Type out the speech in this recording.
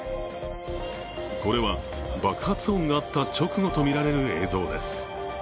これは爆発音があった直後とみられる映像です。